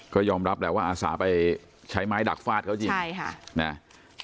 ก็ยอมรับแหละว่าอาสาไปใช้ไม้ดักฟาดเขาจริงใช่ค่ะนะ